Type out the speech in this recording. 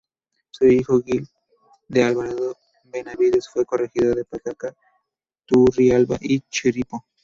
Su hijo Gil de Alvarado y Benavides fue Corregidor de Pacaca, Turrialba y Chirripó.